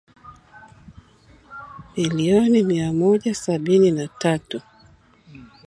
milioni mi moja sabini na tatu